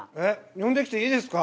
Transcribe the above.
呼んできていいですか？